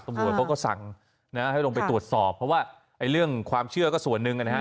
เขาก็สั่งนะให้ลงไปตรวจสอบเพราะว่าเรื่องความเชื่อก็ส่วนหนึ่งนะฮะ